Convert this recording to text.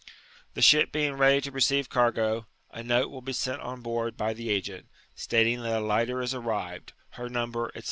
^^ The ship being ready to receive cargo, a note will be sent on board by the agent, stating that a lighter is arrived, her number, &c.